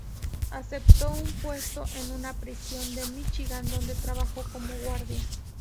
Aceptó un puesto en una prisión de Michigan, donde trabajó como guardia.